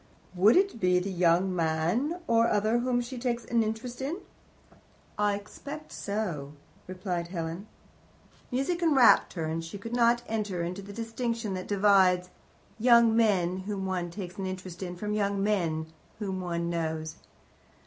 "Would it be some young man or other whom she takes an interest in?" "I expect so," Helen replied. Music enwrapped her, and she could not enter into the distinction that divides young men whom one takes an interest in from young men whom one knows.